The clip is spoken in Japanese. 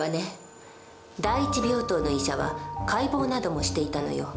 第一病棟の医者は解剖などもしていたのよ。